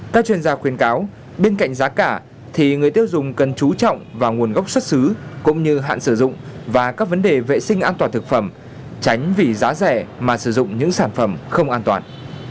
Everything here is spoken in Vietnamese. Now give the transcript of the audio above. các chuyên gia khuyên cáo bên cạnh giá cả thì người tiêu dùng cần chú trọng vào nguồn gốc xuất xứ cũng như hạn sử dụng và các vấn đề vệ sinh an toàn thực phẩm tránh vì giá rẻ mà sử dụng những sản phẩm không an toàn